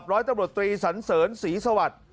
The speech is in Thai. ร้อยตำรวจทรีย์สันเสริญศรีสวรรค์